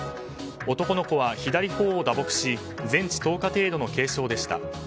男の子は左頬を打撲し全治１０日程度の軽傷でした。